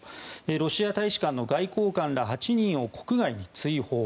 ロシア大使館の外交官ら８人を国外に追放。